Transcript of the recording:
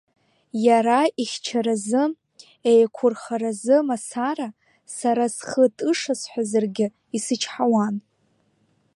Иара ихьчаразы, еиқәырхаразы мацара, сара схы тышасҳәазаргьы исычҳауан.